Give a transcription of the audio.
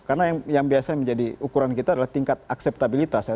karena yang biasanya menjadi ukuran kita adalah tingkat akseptabilitas ya